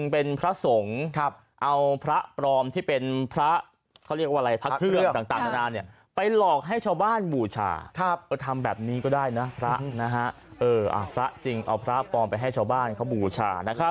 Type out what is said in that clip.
เป็นพระสงฆ์เอาพระปลอมที่เป็นพระเครื่องต่างนานาเนี่ยไปหลอกให้ชาวบ้านบูชาทำแบบนี้ก็ได้นะพระนะฮะพระจริงเอาพระปลอมไปให้ชาวบ้านเขาบูชานะครับ